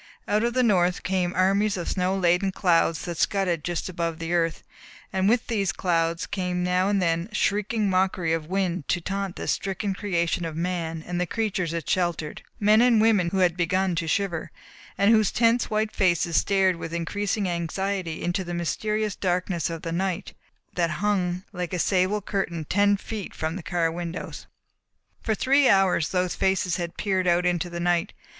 Out of the North came armies of snow laden clouds that scudded just above the earth, and with these clouds came now and then a shrieking mockery of wind to taunt this stricken creation of man and the creatures it sheltered men and women who had begun to shiver, and whose tense white faces stared with increasing anxiety into the mysterious darkness of the night that hung like a sable curtain ten feet from the car windows. For three hours those faces had peered out into the night.